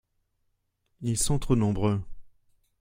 ils sont trop nombreux.